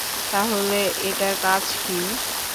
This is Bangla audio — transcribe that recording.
তাহলে, এটার কাজ কী?